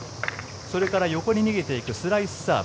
それから横に逃げていくスライスサーブ。